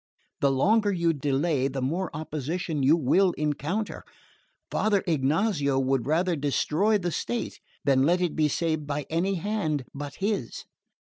The longer you delay the more opposition you will encounter. Father Ignazio would rather destroy the state than let it be saved by any hand but his."